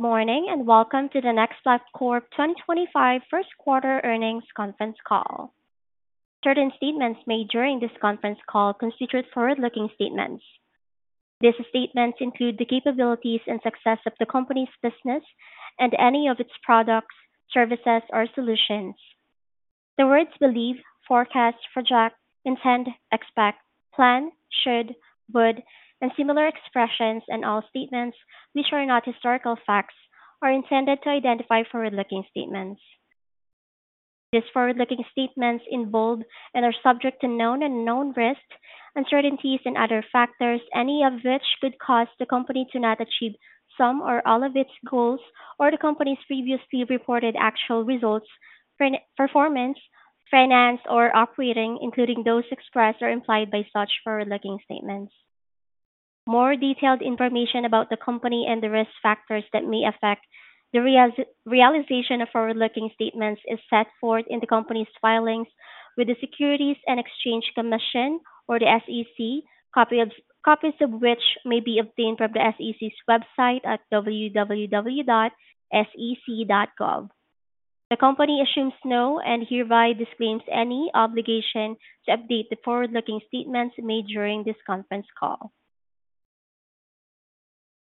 Morning and welcome to the NextPlat Corp 2025 First Quarter Earnings Conference Call. Certain statements made during this conference call constitute forward-looking statements. These statements include the capabilities and success of the company's business and any of its products, services, or solutions. The words believe, forecast, project, intend, expect, plan, should, would, and similar expressions in all statements, which are not historical facts, are intended to identify forward-looking statements. These forward-looking statements involve and are subject to known and unknown risks and certainties and other factors, any of which could cause the company to not achieve some or all of its goals or the company's previously reported actual results, performance, finance, or operating, including those expressed or implied by such forward-looking statements. More detailed information about the company and the risk factors that may affect the realization of forward-looking statements is set forth in the company's filings with the Securities and Exchange Commission, or the SEC, copies of which may be obtained from the SEC's website at www.sec.gov. The company assumes no and hereby disclaims any obligation to update the forward-looking statements made during this conference call.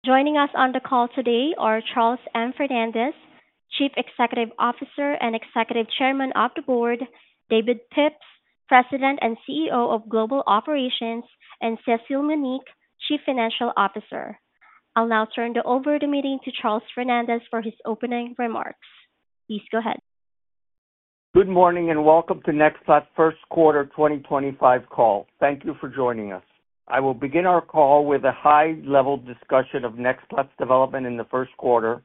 Joining us on the call today are Charles M. Fernandez, Chief Executive Officer and Executive Chairman of the Board, David Phipps, President and CEO of Global Operations, and Cecile Munnik, Chief Financial Officer. I'll now turn over the meeting to Charles Fernandez for his opening remarks. Please go ahead. Good morning and welcome to NextPlat's First Quarter 2025 Call. Thank you for joining us. I will begin our call with a high-level discussion of NextPlat's development in the first quarter.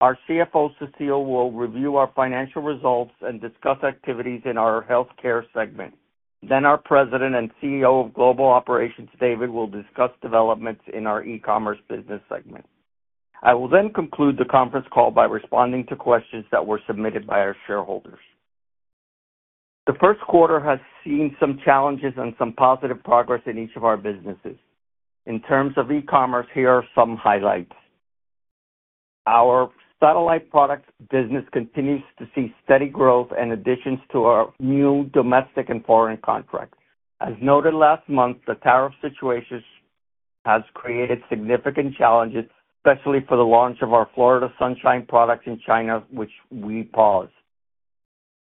Our CFO, Cecile, will review our financial results and discuss activities in our healthcare segment. Then our President and CEO of Global Operations, David, will discuss developments in our e-commerce business segment. I will then conclude the conference call by responding to questions that were submitted by our shareholders. The first quarter has seen some challenges and some positive progress in each of our businesses. In terms of e-commerce, here are some highlights. Our satellite products business continues to see steady growth in additions to our new domestic and foreign contracts. As noted last month, the tariff situation has created significant challenges, especially for the launch of our Florida Sunshine products in China, which we paused.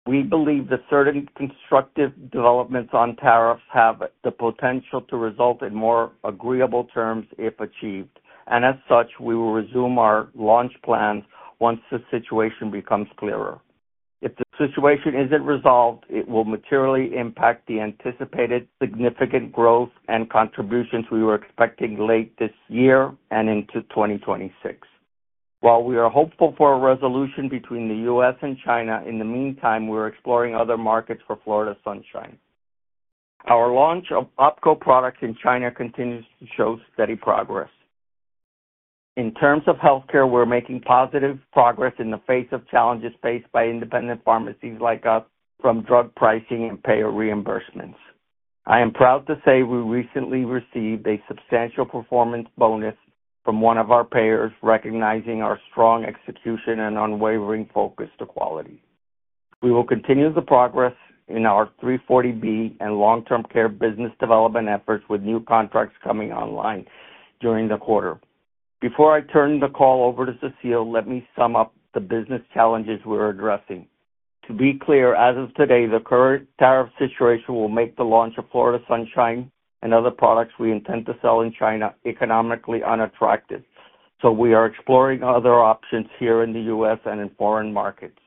We believe that certain constructive developments on tariffs have the potential to result in more agreeable terms if achieved, and as such, we will resume our launch plans once the situation becomes clearer. If the situation is not resolved, it will materially impact the anticipated significant growth and contributions we were expecting late this year and into 2026. While we are hopeful for a resolution between the U.S. and China, in the meantime, we are exploring other markets for Florida Sunshine. Our launch of OPKO products in China continues to show steady progress. In terms of healthcare, we are making positive progress in the face of challenges faced by independent pharmacies like us from drug pricing and payer reimbursements. I am proud to say we recently received a substantial performance bonus from one of our payers, recognizing our strong execution and unwavering focus to quality. We will continue the progress in our 340B and long-term care business development efforts with new contracts coming online during the quarter. Before I turn the call over to Cecile, let me sum up the business challenges we're addressing. To be clear, as of today, the current tariff situation will make the launch of Florida Sunshine and other products we intend to sell in China economically unattractive, so we are exploring other options here in the U.S. and in foreign markets.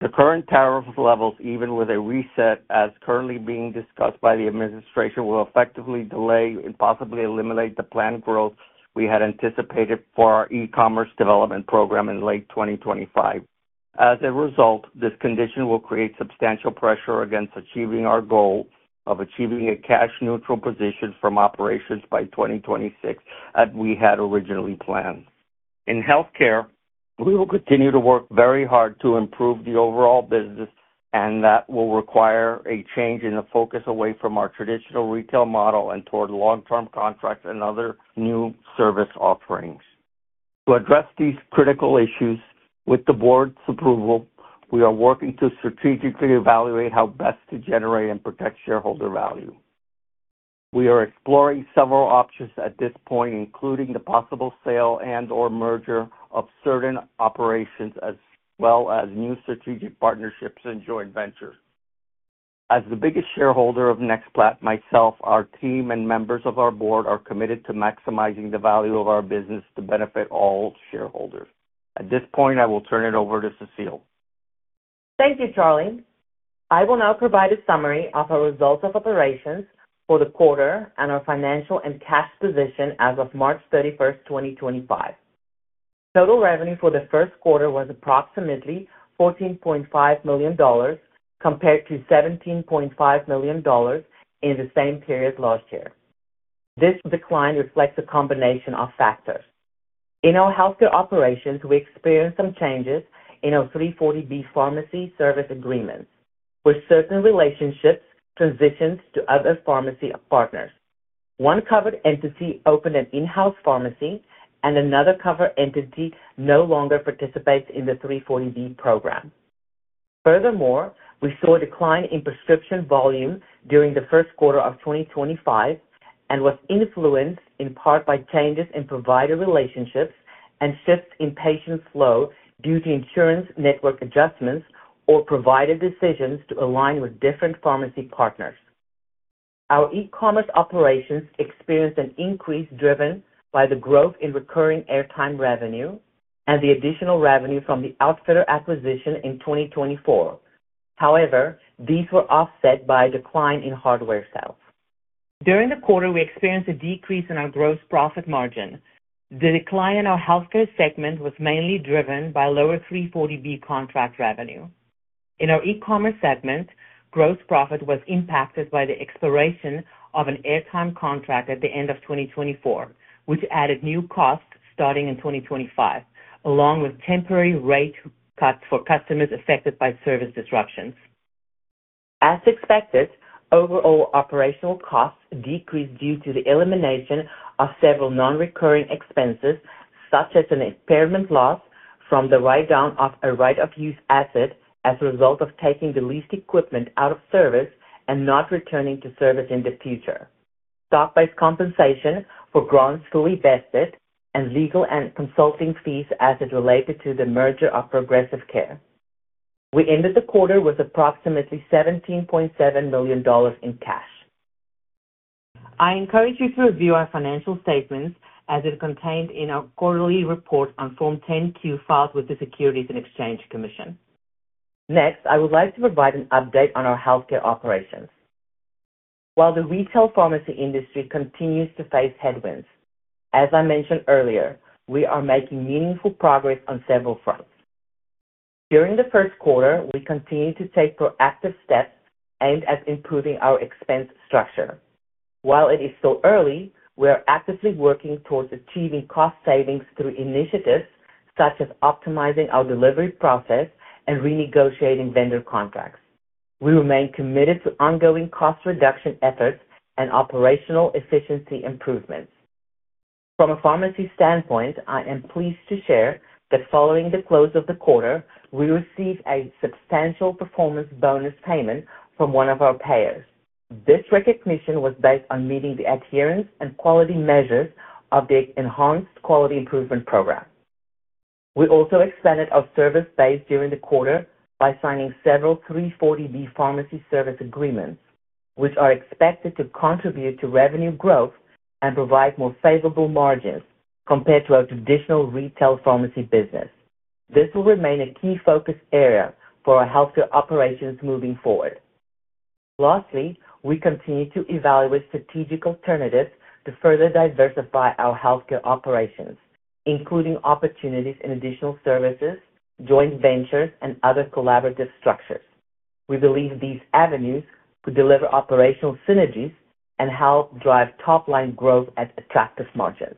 The current tariff levels, even with a reset as currently being discussed by the administration, will effectively delay and possibly eliminate the planned growth we had anticipated for our e-commerce development program in late 2025. As a result, this condition will create substantial pressure against achieving our goal of achieving a cash-neutral position from operations by 2026, as we had originally planned. In healthcare, we will continue to work very hard to improve the overall business, and that will require a change in the focus away from our traditional retail model and toward long-term contracts and other new service offerings. To address these critical issues, with the Board's approval, we are working to strategically evaluate how best to generate and protect shareholder value. We are exploring several options at this point, including the possible sale and/or merger of certain operations as well as new strategic partnerships and joint ventures. As the biggest shareholder of NextPlat, myself, our team, and members of our Board are committed to maximizing the value of our business to benefit all shareholders. At this point, I will turn it over to Cecile. Thank you, Charlie. I will now provide a summary of our results of operations for the quarter and our financial and cash position as of March 31st, 2025. Total revenue for the first quarter was approximately $14.5 million compared to $17.5 million in the same period last year. This decline reflects a combination of factors. In our healthcare operations, we experienced some changes in our 340B pharmacy service agreements, with certain relationships transitioned to other pharmacy partners. One covered entity opened an in-house pharmacy, and another covered entity no longer participates in the 340B program. Furthermore, we saw a decline in prescription volume during the first quarter of 2025 and was influenced in part by changes in provider relationships and shifts in patient flow due to insurance network adjustments or provider decisions to align with different pharmacy partners. Our e-commerce operations experienced an increase driven by the growth in recurring airtime revenue and the additional revenue from the Outfitter acquisition in 2024. However, these were offset by a decline in hardware sales. During the quarter, we experienced a decrease in our gross profit margin. The decline in our healthcare segment was mainly driven by lower 340B contract revenue. In our e-commerce segment, gross profit was impacted by the expiration of an airtime contract at the end of 2024, which added new costs starting in 2025, along with temporary rate cuts for customers affected by service disruptions. As expected, overall operational costs decreased due to the elimination of several non-recurring expenses, such as an impairment loss from the write-down of a right-of-use asset as a result of taking the leased equipment out of service and not returning to service in the future, stock-based compensation for grants fully vested, and legal and consulting fees as it related to the merger of Progressive Care. We ended the quarter with approximately $17.7 million in cash. I encourage you to review our financial statements as they're contained in our quarterly report on Form 10-Q filed with the Securities and Exchange Commission. Next, I would like to provide an update on our healthcare operations. While the retail pharmacy industry continues to face headwinds, as I mentioned earlier, we are making meaningful progress on several fronts. During the first quarter, we continue to take proactive steps aimed at improving our expense structure. While it is still early, we are actively working towards achieving cost savings through initiatives such as optimizing our delivery process and renegotiating vendor contracts. We remain committed to ongoing cost reduction efforts and operational efficiency improvements. From a pharmacy standpoint, I am pleased to share that following the close of the quarter, we received a substantial performance bonus payment from one of our payers. This recognition was based on meeting the adherence and quality measures of the Enhanced Quality Improvement Program. We also expanded our service base during the quarter by signing several 340B pharmacy service agreements, which are expected to contribute to revenue growth and provide more favorable margins compared to our traditional retail pharmacy business. This will remain a key focus area for our healthcare operations moving forward. Lastly, we continue to evaluate strategic alternatives to further diversify our healthcare operations, including opportunities in additional services, joint ventures, and other collaborative structures. We believe these avenues could deliver operational synergies and help drive top-line growth at attractive margins.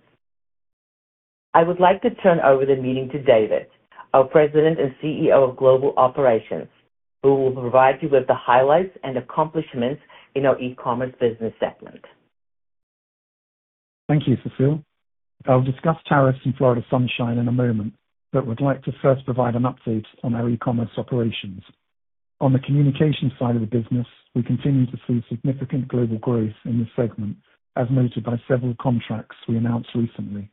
I would like to turn over the meeting to David, our President and CEO of Global Operations, who will provide you with the highlights and accomplishments in our e-commerce business segment. Thank you, Cecile. I'll discuss tariffs and Florida Sunshine in a moment, but would like to first provide an update on our e-commerce operations. On the communications side of the business, we continue to see significant global growth in this segment, as noted by several contracts we announced recently.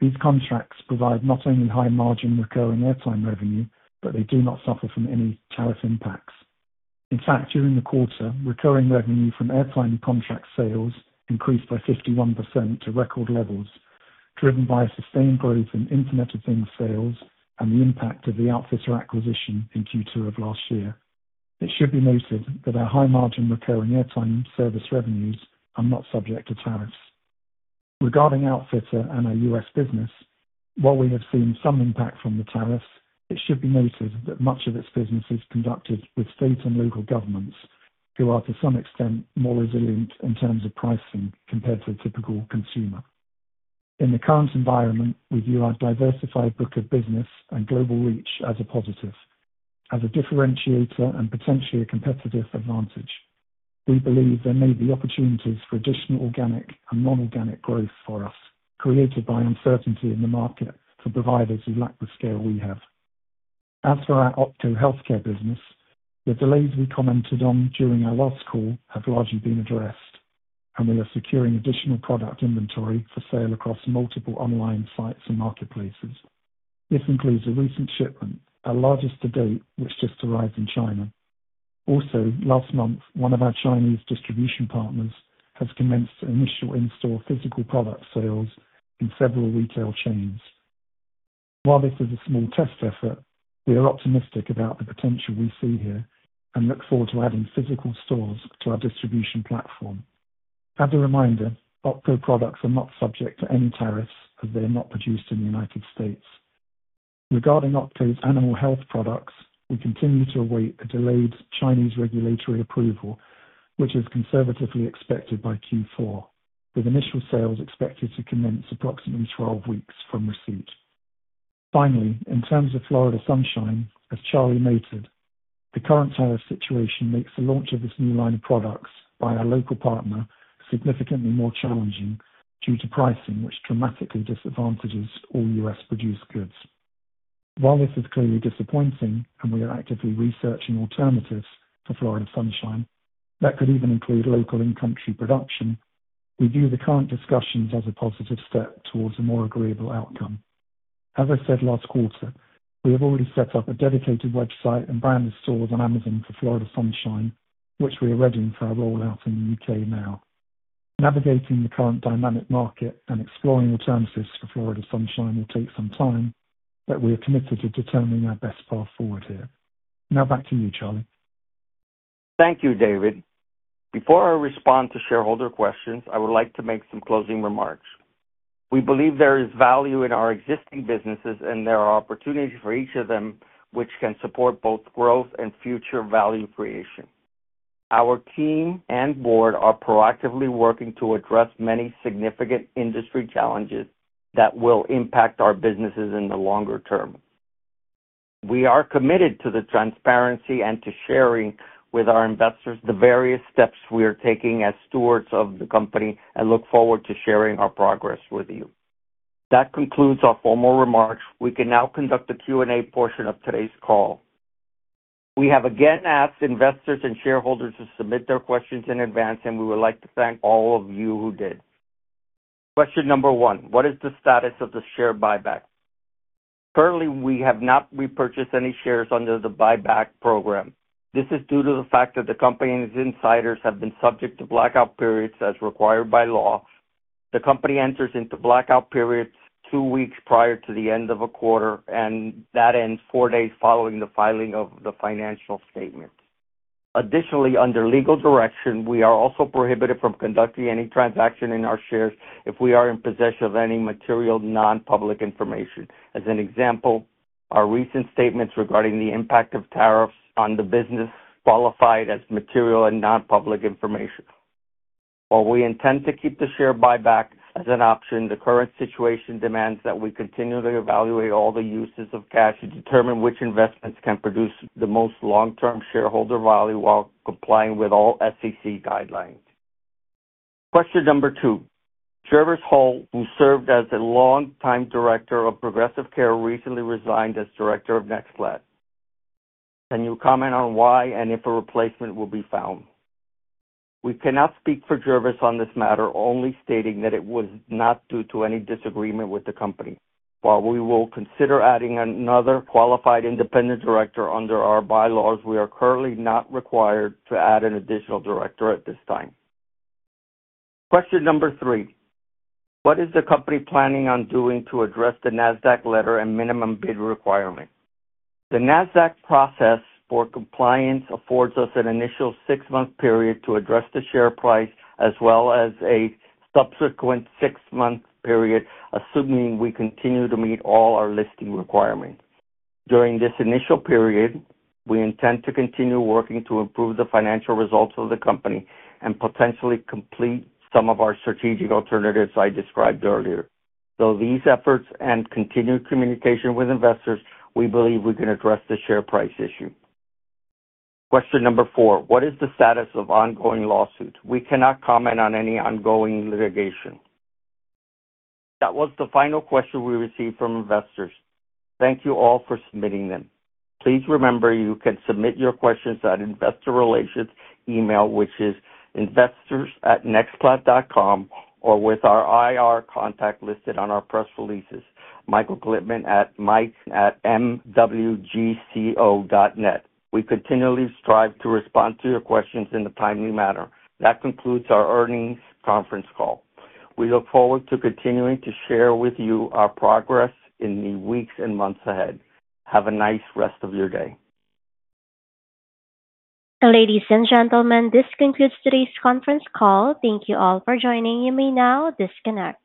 These contracts provide not only high-margin recurring airtime revenue, but they do not suffer from any tariff impacts. In fact, during the quarter, recurring revenue from airtime contract sales increased by 51% to record levels, driven by sustained growth in Internet of Things sales and the impact of the Outfitter acquisition in Q2 of last year. It should be noted that our high-margin recurring airtime service revenues are not subject to tariffs. Regarding Outfitter and our U.S. business, while we have seen some impact from the tariffs, it should be noted that much of its business is conducted with state and local governments, who are to some extent more resilient in terms of pricing compared to a typical consumer. In the current environment, we view our diversified book of business and global reach as a positive. As a differentiator and potentially a competitive advantage, we believe there may be opportunities for additional organic and non-organic growth for us, created by uncertainty in the market for providers who lack the scale we have. As for our OPKO healthcare business, the delays we commented on during our last call have largely been addressed, and we are securing additional product inventory for sale across multiple online sites and marketplaces. This includes a recent shipment, our largest to date, which just arrived in China. Also, last month, one of our Chinese distribution partners has commenced initial in-store physical product sales in several retail chains. While this is a small test effort, we are optimistic about the potential we see here and look forward to adding physical stores to our distribution platform. As a reminder, OPKO products are not subject to any tariffs as they are not produced in the U.S. Regarding OPKO's animal health products, we continue to await a delayed Chinese regulatory approval, which is conservatively expected by Q4, with initial sales expected to commence approximately 12 weeks from receipt. Finally, in terms of Florida Sunshine, as Charlie noted, the current tariff situation makes the launch of this new line of products by our local partner significantly more challenging due to pricing, which dramatically disadvantages all U.S. produced goods. While this is clearly disappointing, and we are actively researching alternatives for Florida Sunshine that could even include local in-country production, we view the current discussions as a positive step towards a more agreeable outcome. As I said last quarter, we have already set up a dedicated website and branded stores on Amazon for Florida Sunshine, which we are readying for our rollout in the U.K. now. Navigating the current dynamic market and exploring alternatives for Florida Sunshine will take some time, but we are committed to determining our best path forward here. Now, back to you, Charlie. Thank you, David. Before I respond to shareholder questions, I would like to make some closing remarks. We believe there is value in our existing businesses, and there are opportunities for each of them, which can support both growth and future value creation. Our team and board are proactively working to address many significant industry challenges that will impact our businesses in the longer term. We are committed to transparency and to sharing with our investors the various steps we are taking as stewards of the company and look forward to sharing our progress with you. That concludes our formal remarks. We can now conduct the Q&A portion of today's call. We have again asked investors and shareholders to submit their questions in advance, and we would like to thank all of you who did. Question number one: What is the status of the share buyback? Currently, we have not repurchased any shares under the buyback program. This is due to the fact that the company and its insiders have been subject to blackout periods as required by law. The company enters into blackout periods two weeks prior to the end of a quarter, and that ends four days following the filing of the financial statement. Additionally, under legal direction, we are also prohibited from conducting any transaction in our shares if we are in possession of any material non-public information. As an example, our recent statements regarding the impact of tariffs on the business qualified as material and non-public information. While we intend to keep the share buyback as an option, the current situation demands that we continually evaluate all the uses of cash to determine which investments can produce the most long-term shareholder value while complying with all SEC guidelines. Question number two: Jervis Hough, who served as a long-time director of Progressive Care, recently resigned as director of NextPlat. Can you comment on why and if a replacement will be found? We cannot speak for Jervis on this matter, only stating that it was not due to any disagreement with the company. While we will consider adding another qualified independent director under our bylaws, we are currently not required to add an additional director at this time. Question number three: What is the company planning on doing to address the NASDAQ letter and minimum bid requirement? The NASDAQ process for compliance affords us an initial six-month period to address the share price, as well as a subsequent six-month period, assuming we continue to meet all our listing requirements. During this initial period, we intend to continue working to improve the financial results of the company and potentially complete some of our strategic alternatives I described earlier. Through these efforts and continued communication with investors, we believe we can address the share price issue. Question number four: What is the status of ongoing lawsuits? We cannot comment on any ongoing litigation. That was the final question we received from investors. Thank you all for submitting them. Please remember, you can submit your questions at investor relations email, which is investors@nextplat.com, or with our IR contact listed on our press releases, michael.glickman@mwgco.net. We continually strive to respond to your questions in a timely manner. That concludes our earnings conference call. We look forward to continuing to share with you our progress in the weeks and months ahead. Have a nice rest of your day. Ladies and gentlemen, this concludes today's conference call. Thank you all for joining. You may now disconnect.